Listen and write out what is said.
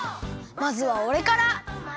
まずはおれから！